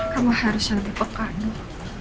kamu harus lebih peka nih